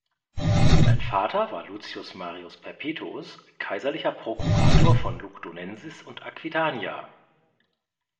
Sein Vater war Lucius Marius Perpetuus, kaiserlicher Prokurator von "Lugdunensis" und "Aquitania".